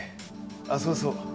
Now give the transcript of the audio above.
そうそう。